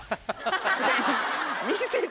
見せて。